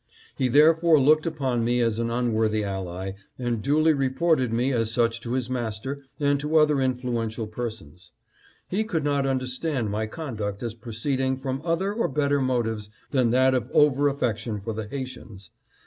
He thereafter looked upon me as an unworthy ally, and duly reported me as such to his master and to other influential persons. He could not understand my con duct as proceeding from other or better motives than that of over affection for the Haitians.